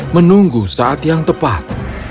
menunggu saat yang tepat